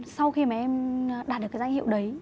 sau khi mà em đạt được cái danh hiệu đấy